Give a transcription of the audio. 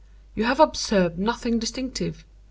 You have observed nothing distinctive.